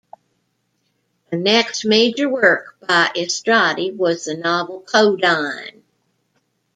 The next major work by Istrati was the novel "Codine".